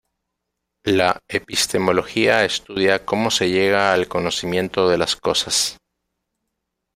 La epistemología estudia cómo se llega al conocimiento de las cosas.